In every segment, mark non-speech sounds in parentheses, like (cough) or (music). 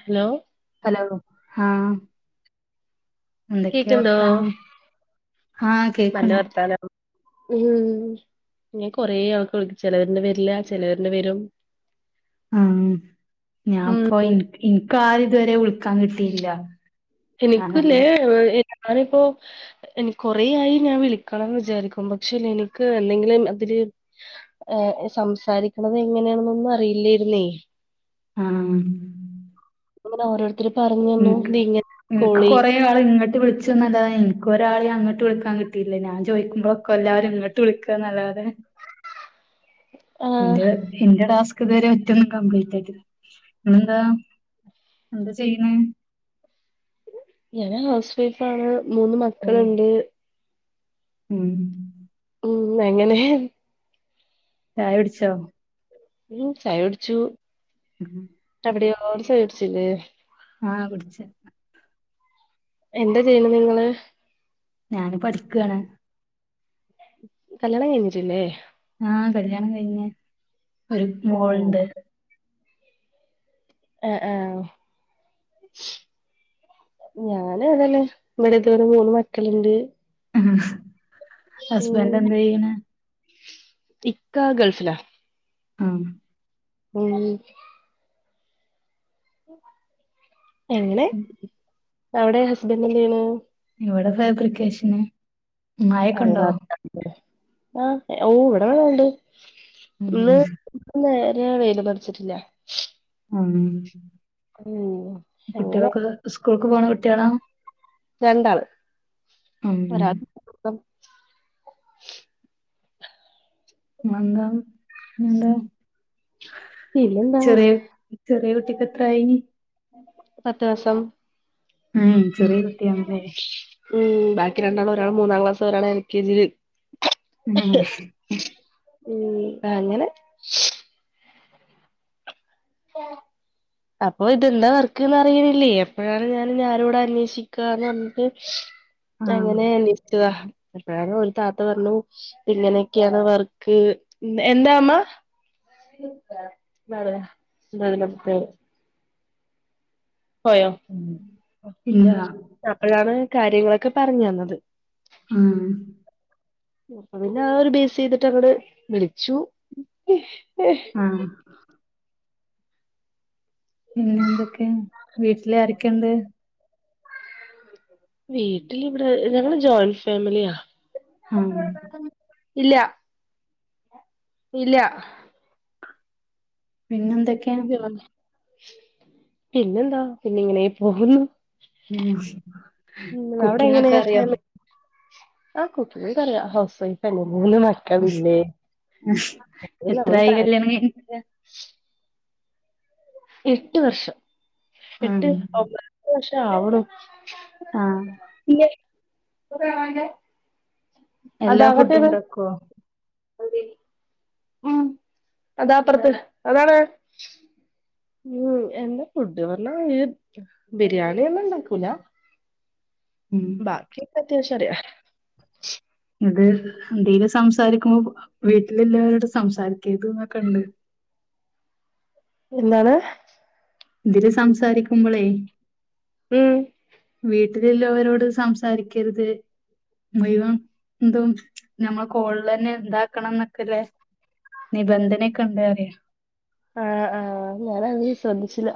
Hello hello ആഹ് എന്തൊക്കെ കേക്ക്ണ്ടോ വർത്താനം ആഹ് നല്ല കേക്കണ്ട് വർത്താനം ഉം ഇങ്ങെ‌ കൊറെ ആൾക്ക് വിളി ചിലവരിന്റെ വരില്ല ചിലവരിന്റെ വരും ആഹ് ഞാൻപ്പൊ ഉം ഇനി ഇനിക്കാര് ഇതുവരെ വിള് എനിക്കൂല്ലേ ഏഹ് ഞാനിപ്പോ എനി കൊറെയായി ഞാൻ വിളിക്കണം ന്ന് വിചാരിക്കും പക്ഷെ എനിക്ക് എന്തെങ്കിലും അതില് ഏഹ് സംസാരിക്കണത് എങ്ങനെയാണെന്നൊന്നും അറിയില്ലായിരുന്നേ ആഹ് അപ്പൊങ്ങനെ ഓരോരുത്തർ പറഞ്ഞന്നു തീങ്ങനെ കോളിയ്യ് കുറെ ആൾ ഇങ്ങട്ട് വിളിച്ചുന്നല്ലാതെ എനിക്ക്‌ ഒരാളേം അങ്ങട്ട് വിളിക്കാൻ കിട്ടിയിട്ടില്ല ഞാൻ ചോയിക്കുമ്പോ ഒക്കെ എല്ലാരും ഇങ്ങട്ട് ങ്ങട്ട് വിളിക്കാ ന്നല്ലാതെ ആഹ് എന്റെ എന്റെടുത്ത് ഇതുവരെ ഒറ്റൊ കപ്ലീറ്റ് ആയിട്ടില്ല ഇങ്ങെന്താ എന്താ ചെയ്യണ ഞാന് ഹൗസ് വൈഫാണ് മൂന്ന് ഉം മക്കളുണ്ട് ഉം ഉം അങ്ങനെ ചായ കുടിച്ചോ ചായ കുടിച്ചു ഉം അവിടോ (unintelligible) ആഹ് കുടിച്ച് എന്താ ചെയ്യണ നിങ്ങള് ഞാനെ പഠിക്കയാണ് കല്യാണം കഴിഞ്ഞിട്ടില്ലേ ആഹ് കല്യാണം കഴിഞ്ഞ് ഒരു ഓ മോൾ ഉണ്ട് ഏഹ് ആഹ് ഞാനും അതെന്നെ ഇവിടെ വെര് മൂന്ന് മക്കള്ണ്ട് ആഹ് ഹസ്ബെന്റെന്തയ്യ്ണെ ഇക്കാ ഗൾഫ്‌ലാ ആഹ് ഉം എങ്ങെനെ അവിടെ ഹസ്ബെന്റെന്തെയ്യ്ണ് ഇവടെ ഫേബ്രിക്കേഷെന് അതേ നാട്ട്ലാണ്ലേ ആഹ് ഓഹ് വ്ടെ വെള്ളണ്ട് ഉം ഇന്ന് നേര്യെ വെയ്ലൊന്നും അട്ച്ച്ട്ടില്ലാ ഊം (unintelligible) അങ്ങെനെ സ്കൂൾക്ക് പോണ കുട്ട്യാളാ രണ്ടാള് ഊം പ്പം ന്നെന്താ പിന്നെന്താ പിന്നെന്താ ചെറിയ ചെറിയ കുട്ടിക്കെത്രായീ പത്ത് മാസം ഉം ചെറ്യെ ഉം ബാക്കി രണ്ടാള് ഒരാള് മൂന്നാം ക്ലാസ് ഒരാള് എൽ കെ ജീല് ഉം ഉം പ്പാ അങ്ങെനെ (unintelligible) അപ്പൊ ഇത് എന്താ വർക്ക്ന്ന് അറിയ്ണില്ലേ അപ്പഴാണ് ഞാന് ഞ്ഞാരോടാ അന്വേഷിക്കാന്ന് പർഞ്ഞിട്ട് ആഹ് അങ്ങെനെ നി (unintelligible) താ അപ്പഴാണ് ഒര് താത്ത പർഞ്ഞു ഇങ്ങെനെക്കെയാണ് വർക്ക് എന്താ അമ്മാ നാളെ (unintelligible) പോയാേ ഇല്ലാ അപ്പഴാണ് കാര്യങ്ങളൊക്കെ പർഞ്ഞ് തന്നത് ആഹ് അപ്പ പിന്നെ ആ ഒരു ബേസെയ്തിട്ടങ്ങട് വിളിച്ചു ആഹ് പിന്നെ എന്തൊക്കെ വീട്ടില് ആരെക്കെണ്ട് വീട്ടിലിവിടെ ഞങ്ങള് ജോയിൻ ഫാമിലിയാ ആഹ് ഇല്ലാ ഇല്ലാ പിന്നെന്തെ പിന്നെന്താ പിന്നെ ഇങ്ങെനേ പോവുന്നു ഉം കുക്കിങ്ങൊക്കെ അറ്യോ ആഹ് കുക്കിങ്ങാെക്കെ അറിയാ ഹൗസ് വൈ ഫല്ലേ മൂന്ന് മക്കളില്ലേ എത്രായി (unintelligible) കല്യാണം കയ്ഞ്ഞിട്ട് എട്ട് വർഷം ഉം എട്ട് ഒമ്പതാത്തെവർഷാവ്ണു ആഹ് ല്ല്യെ (unintelligible) അതാ എല്ലാ ഫുഡും അങ്ങെത്തിയെത് ഉണ്ടാക്കുവോ ഉം അതാ അപ്പർത്ത് അതാണ് ഉം എന്താ ഫുഡ്ഡ് പർഞ്ഞാ ഈ ബിരിയാണിയൊന്നുംണ്ടാക്കൂലാ ഉം ബാക്കിക്കൊ അത്യാവശ്യ അറിയാം ഇത് ഇതില് സംസാരിക്കുമ്പോ വീട്ടിലല്ലാവരോടും സംസാരിക്കരുത് എന്നൊക്കെ ഉണ്ട് എന്താണ് ഇതില് സംസാരിക്കുമ്പോളേ വീ ഉം വീട്ടിൽ ഉള്ളവരോട് സംസാരിക്കരുത് മുയുവം എന്തും ഞമ്മളെ കോളിൽ തന്നെ ഇന്താക്കണം എന്നൊക്കല്ലേ നിബന്ധനയൊക്കെ ഉണ്ട് അറിയ ആഹ് ആഹ് ഞാന ശ്രദ്ധിച്ചില്ല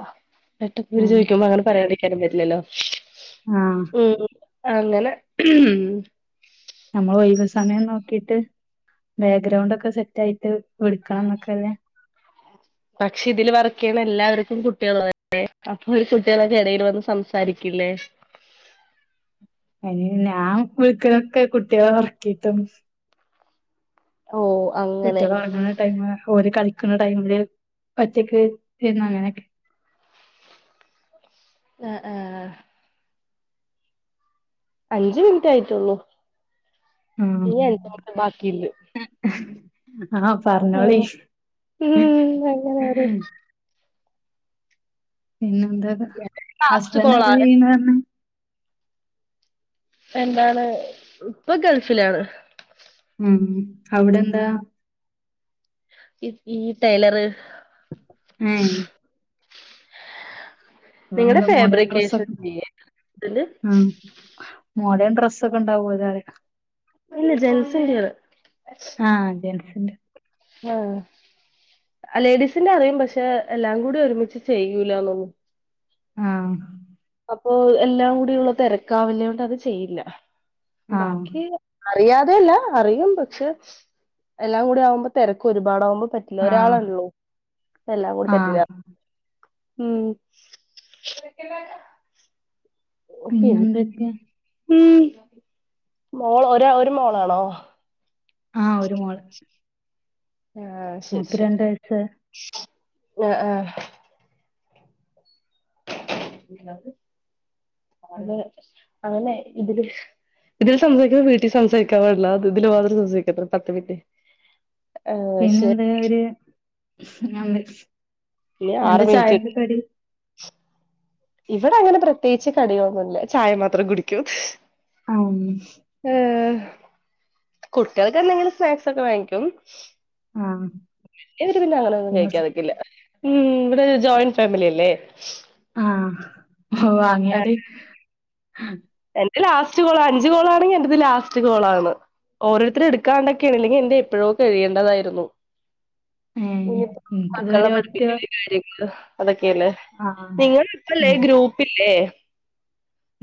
എട്ട പേര് ആഹ് ചോദിക്കുമ്പോ അങ്ങനെ പറയാണ്ടെ കെടന്നിട്ടില്ലല്ലോ ആഹ് ഉം അങ്ങനെ ഉം നമ്മൾ ഒയിവ് സമയം നോക്കിട്ട് ബെഗ്രൗണ്ട് ഒക്കെ സെറ്റ് ആയിട്ട് വിളിക്കാം എന്നൊക്കെല്ലേ പക്ഷെ ഇതില് വർക്ക് ചെയ്യണ എല്ലാവർക്കും കുട്ടികള് ഉ ള്ളതല്ലേ അപ്പോഈ കുട്ടികളൊക്കെ ഇടയിൽ വന്ന് സംസാരിക്കില്ലേ അയ്ൻ ഞാൻ കുഴുക്കനൊക്കെ കുട്ടികളെ ഉറക്കിട്ടും ഓഹ് അഹ് കുട്ടികൾ ഒറങ്ങുന്ന ടൈമ ഓര് കളിക്കുന്ന ടൈമില് ഒറ്റക്ക് ഇരുന്ന അങ്ങനെയൊക്കെ ആഹ് ആഹ് അഞ്ചു മിനിറ്റ് ആയി റ്റുള്ളൂ ഇനി അഞ്ച മിനിറ്റ് ബാക്കിയിണ്ട് ഉം ആഹ് പറഞ്ഞോളി ഉം അങ്ങനെ ഒരു പിന്നെന്താ ലാസ്റ്റ് ഹസ്ബൻഡ് കോളാ എന്താ ചെയ്യുന് പറഞ്ഞ എന്താണ് ഇപ്പൊ ഗൾഫിലാണ് ഉം അവിടെ എന്താ ഇ ഈ ടൈലർ ഏഹ് അത നിങ്ങളുടെ നല്ല മോഡേൺ ഫാബ്രിക്കേഷൻ ഡ്രെസ്സ്ക്കെ ചെയ്യേ ഇതില് ഉം മോഡേൺ ഡ്രസ് ഒക്കെ ഉണ്ടാവു (unintelligible) ഇല്ല ജൻസായിട്ടുളളത് ആഹ് ജെൻസിന്റെ ആഹ് ലേഡീസിന്റെ അറിയും പക്ഷെ എല്ലാം കൂടി ഒരുമിച്ച് ചെയ്യൂലന്നൊന്നു ആഹ് അപ്പൊ എല്ലാം കൂടിയുള്ള തിരക്കാവില്ല അത് കൊണ്ട് അത് ചെയ്യില്ല ആ ബാക്കി അറിയാതെയല്ല അറിയും പക്ഷെ എല്ലാം കൂടി ആകുമ്പോ തിരക്ക് ഒരുപാട ആകുമ്പോ പറ്റ എല്ല ആ ഒരാളാള്ളോ എല്ലാം കൂടി ആ പറ്റില്ല ഉം പി (unintelligible) ഉം മോൾ ഒര ഒരു മോളാണോ ആഹ്‌ ഒരു മോള് ആഹ്‌ മോക്ക് രണ്ട്‌ വയസ് ആഹ്‌ ആഹ്‌ അങ്ങനെ ഇതില് ഇതില് സംസാരിക്കുന്ന വീട്ടിൽ സംസാരിക്കാൻ പാടില്ല അത് ഇതില് മാത്രം സംസാരിക്ക പത്ത് മിനിറ്റ് ആഹ് ശരി പിന്നെന്താ ഒരു എന്താ ഇനി എന്താ ആറ് മിനിറ്റ് ചായക്ക് കടി ഇവിടെ അങ്ങനെ പ്രത്യേകിച്ച് കടിയൊന്നുല്ല ചായ മാത്രം കുടിക്കും ആഹ്‌ ഉം ഏഹ്‌ കുട്ടികൾക്ക് എന്തെങ്കിലും സ്നാക്സൊക്കെ വാങ്ങിക്കും ആ വല്യവര് പിന്നെ അങ്ങന ഒന്നും ഇന്ന് കഴിക്കാൻ നിക്കില്ല ഉം ഇവിടെ ജോയിന്റ് ഫാമിലിയല്ലേ ആഹ്‌ ഓഹ്‌ വാങ്ങിയാത് എന്റെ ലാസ്റ്റ് കോളാ അഞ്ച് കോളാണെങ്കിൽ എന്റെത് ലാസ്റ്റ് കോളാണ് ഓരോരുത്തര് എടുക്കാണ്ടൊക്കെയാണ് അല്ലെങ്കിൽ എന്റെ എപ്പഴോ കഴിയേണ്ടതായിരുന്നു ഏഹ് ഇനിയിപ്പോ മക്കളെ എനിക്കിതുവരെ ഒറ്റ പഠിപ്പിക്കല് കാര്യങ്ങള് അതൊക്കെയല്ലേ ആഹ് നിങ്ങള് ഇപ്പല്ലേ ഉം ഗ്രൂപ്പില്ലേ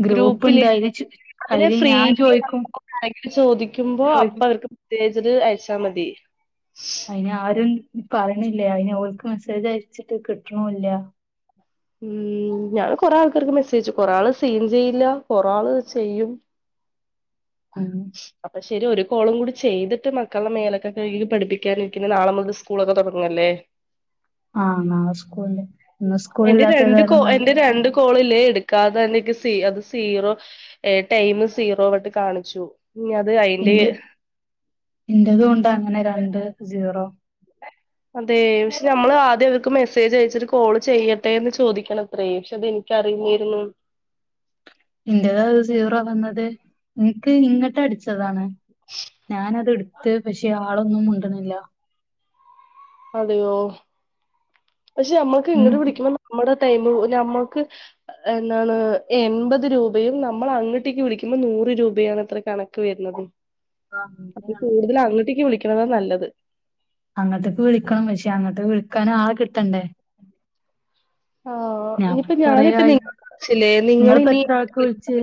ഗ്രൂപ്പ് പ്പില് അതില് ഫ്രീയാ ആരെങ്കിലും ചോദിക്കുമ്പോ അപ്പ ചോയിക്കും അവർക്ക് (unintelligible) അയച്ചാ മതി അയ്ന് ആരും പറയണില്ല അയ്ന് ഓൽക്ക് മെസ്സേജ് അയച്ചിട്ട് കിട്ടണൂല്ല ഉം ഞാന് കൊറെ ആൾക്കാർക്ക് മെസ്സേജ്ച്ചു കൊറെ ആള് സീൻ ചെയ്യില്ല കൊറേ ആള് ചെയ്യും ഉം അപ്പൊ ശരി ഒരു കോളും കൂടി ചെയ്തിട്ട് മക്കളുടെ മേലൊക്കെ കഴുകിട്ട് പഠിപ്പിക്കാനിരിക്കുന്ന നാളെ മുതല് സ് സ്കൂളൊക്കെ തൊടങ്ങല്ലേ ആഹ് നാളെ സ്കൂളില്ല ഇന്ന് എന്റെ സ്കൂളില്ലാത്ത രണ്ട് കോ ഏതായാലും ന എന്റെ രണ്ട് കോളില്ലേ എടുക്കാതെ തന്നെ ക്ക് സീ അത് സീറോ ഏഹ് ടൈമ് സീറോ ആയിട്ട് കാണിച്ചു ഇനി അത് അയിന്റെ ഇന്റതൂണ്ട് അങ്ങനെ രണ്ട് സീറോ അതെയ് പക്ഷെ നമ്മൾ ആദ്യം അവർക്ക് മെസ്സേജ് അയച്ചിട്ട് കോള് ചെയ്യട്ടെ എന്ന് ചോദിക്കണം അത്രേ പക്ഷെ അതെനിക്ക് അറിയില്ലായിരുന്നു ഇന്റത് അത് സീറോ വന്നത് ഇൻക്ക് ഇങ്ങട്ട് അടിച്ചതാണ് ഞാനത് ഇടുത്ത് പക്ഷെ ആളൊന്നും മിണ്ടണില്ല അതെയോ പക്ഷെ നമ്മക്ക് ഉം ഇങ്ങട്ട് വിളിക്കുമ്പോ നമ്മുടെ ടൈമ് നമ്മക്ക് ! ! ! ക്ക് വര്ണത് അപ്പൊ ആഹ് കൂടുതൽ അങ്ങട്ടേക്ക് വിളിക്കണതാ നല്ലത് അങ്ങട്ടേക്ക് വിളിക്കണം പക്ഷേ അങ്ങട്ടേക്ക് വിളിക്കാൻ ആളെ കിട്ടണ്ടേ ആഹ് ഞാൻപ്പം ഇനിയിപ്പോ ഞാനിപ്പ കൊറെയായി നിങ്ങ വിളിച്ചില്ലേ നിങ്ങളിപ്പം എത്ര ആൾക്ക് നിങ്ങളിനി വിളിച്ചു ! ! ! ! ! !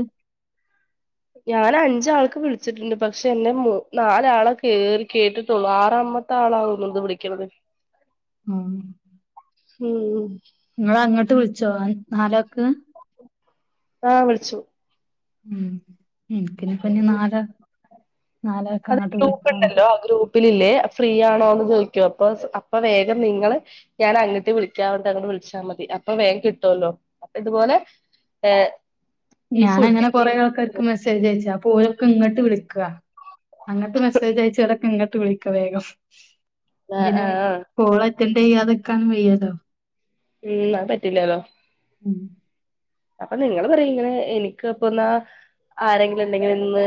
ഉം ഊം ! ! ! ! ആഹ്‌ വിളിച്ചു ! ! ! !! ! ! ! ! ! ! ! ഏഹ് ! ! ! ! ! ! ! ! ! ! ! ! ആഹ് ആഹ് ! ! ! ഉം അപ്പൊ നിങ്ങള്ൾ പറയ ഇങ്ങനെ എനിക്ക് പ്പ ന്നാ ആരെങ്കിലും ണ്ടെങ്കിലൊന്ന്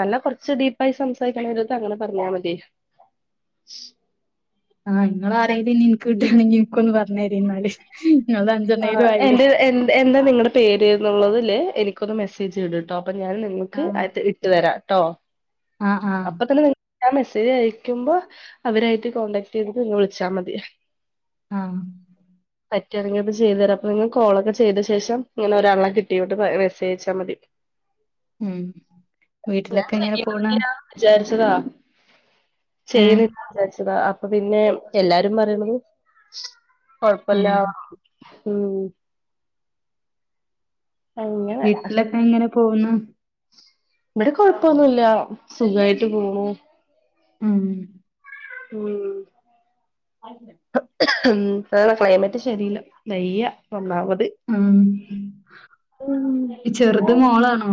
നല്ല കൊറച്ച് ഡീപ്പായി സംസാരിക്കണെട് ത്ത് അങ്ങനെ പറഞ്ഞാൽ മതി. (inaudible) ആഹ് ഇങ്ങളാരങ്കിലും നിക്ക് ട്ടാണെങ്കി നിക്കൊന്ന് പറഞ്ഞറിന്നാല് ങ്ങലത് ആ അഞ്ചെണ്ണേയിലും ആയില്ലേ? എന്റെ എന്ത് എന്താ നിങ്ങടെ പേര് ന്നുള്ളതില് എനിക്കൊന്ന് മെസ്സേജ് ഇടുട്ടോ അപ്പൊ ഞാൻ നിങ്ങക്ക് ആ ഇട്ട് തരാം ട്ടോ ആ ആ അപ്പൊ തന്നെ നി ഞാ മെസ്സേജ് അയക്കുമ്പോ അവരായിട്ട് കോണ്ടാക്ട് ചെയ്തിട്ട് വിളിച്ചാൽ മതി. ആഹ പറ്റനാഗത് ചെയ്തു തരാം അപ്പൊ നിങ്ങ കോള ഒക്കെ ചെയ്ത ശേഷം ഇങ്ങനെ ഒരാളെ കിട്ടിട്ട് മെസ്സേ്ച്ചാൽ മതി. ഉം ഞാൻ വീട്ടിലൊക്കെ എങ്ങനെ പോണ് (unintelligible) ചാരിച്ചതാ ഏഹ് ചെയ്യുന്നില്ല വിചാരിച്ച അപ്പപിന്നെ എല്ലാരും പറയ്ന്നത് ഉം കൊഴപ്പില്ല ഉം അങ്ങനെ വീട്ടിലെക്കെങ്ങനെ പോക്ന്ന്? ഇവിടെ കൊഴപ്പൊന്നുല്ല സുഖായിട്ട് പോണു. ഉം ഉം ഉം ആണ് ക്ലൈമറ്റ് ശരില്ല വയ്യ ഒന്നാമത്. ഉം ഈ ചെറ്ത് മോളാണോ?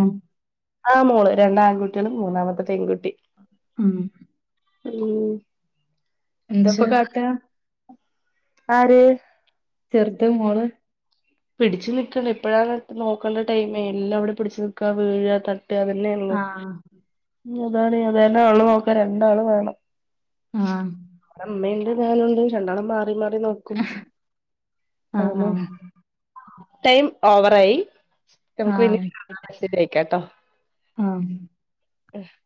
ആ മോള് രണ്ടാൺകുട്ട്യളും മൂന്നാമത്തെ പെൺകുട്ടി. ഉം ഉം ക്ഷെ എന്താപ്പൊ കാട്ട? ആര്. ചെർത് മോള്. പിടിച്ച് നിക്കണ്ട്. ഇപ്പഴാണ് നോക്കണ്ട ടൈമേ എല്ലാം ഇവിടെ പിടിച്ചു നിക്ക വീഴ ത ട്ട അതന്നെള്ളൂ ആഹ് അതാണ് ഏതായാലു ആളു നോക്കാ രണ്ടാള് വേണം. ആഹ് അമ്മയുണ്ട് ഞാനുണ്ട് രണ്ടാളെ മാ മാറി മാറി നോക്കും ആഹ് അങ്ങനെ ടൈം ഓവറായി ആഹ് നമുക്ക് പിന്നെ ആഹ് മെസജ് അയക്കാം ട്ടോ. ആഹ് (unintelligible)